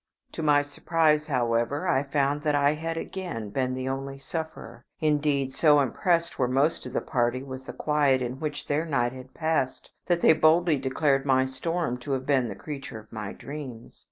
To my surprise, however, I found that I had again been the only sufferer. Indeed, so impressed were most of the party with the quiet in which their night had been passed, that they boldly declared my storm to have been the creature of my dreams.